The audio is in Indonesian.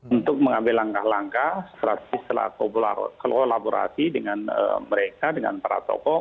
untuk mengambil langkah langkah strategis setelah kolaborasi dengan mereka dengan para tokoh